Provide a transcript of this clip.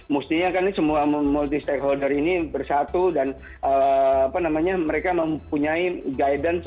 mestinya kan semua multi stakeholder ini bersatu dan mereka mempunyai guidance